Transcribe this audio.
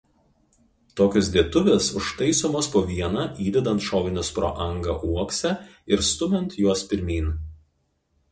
Tokios dėtuvės užtaisomos po vieną įdedant šovinius pro angą uokse ir stumiant juos pirmyn.